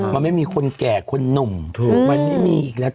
มันไม่มีคนแก่คนหนุ่มถูกมันไม่มีอีกแล้ว